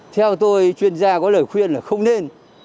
theo tôi chuyên gia có lời khuyên là không nên